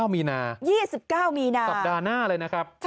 ๒๙มีนาสัปดาห์หน้าเลยนะครับ๒๙มีนา